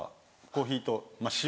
コーヒーと塩？